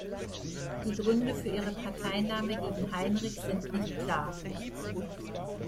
Die Gründe für ihre Parteinahme gegen Heinrich sind nicht klar.